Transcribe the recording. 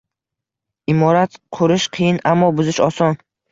Imorat qurish qiyin, ammo buzish oson.